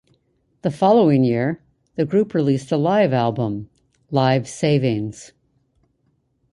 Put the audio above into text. The following year, the group released a live album, "Live Savings".